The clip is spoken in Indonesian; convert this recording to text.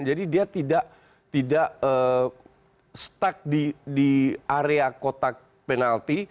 jadi dia tidak stuck di area kotak penalti